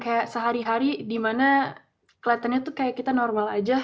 kayak sehari hari dimana kelihatannya tuh kayak kita normal aja